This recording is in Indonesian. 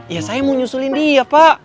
ya saya mau nyusulin dia pak